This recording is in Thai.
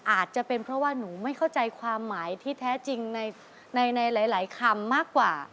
อาจจะเป็นเพราะว่าหนูไม่เข้าใจความหมายที่แท้จริงในหลายคำมากกว่า